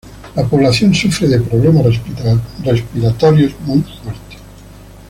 La población sufre de problemas respiratorios muy fuertes.